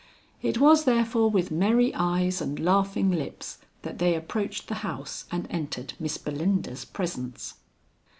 It was therefore with merry eyes and laughing lips that they approached the house and entered Miss Belinda's presence.